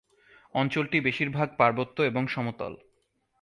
অঞ্চলটি বেশিরভাগ পার্বত্য এবং সমতল।